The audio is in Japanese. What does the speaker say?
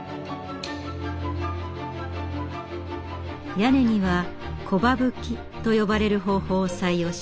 屋根には木羽葺と呼ばれる方法を採用しました。